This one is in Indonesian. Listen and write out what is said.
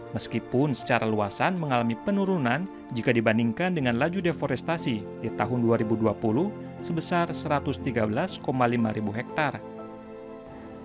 meskipun secara luasan mengalami penurunan jika dibandingkan dengan laju deforestasi di tahun dua ribu dua puluh sebesar satu ratus tiga belas lima ribu hektare